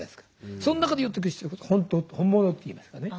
そん中で寄ってくる人ほど本物っていいますかね。